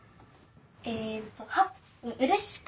えっとうれしくなる。